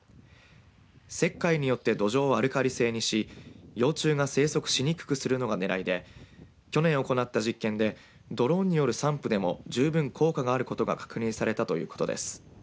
石灰によって土壌をアルカリ性にし幼虫が生息しにくくするのがねらいで去年行った実験でドローンによる散布でも十分効果があることが確認されたということです。